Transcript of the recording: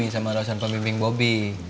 sama dosen pemimpin bopi